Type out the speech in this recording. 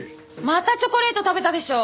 またチョコレート食べたでしょ！